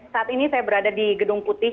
saat ini saya berada di gedung putih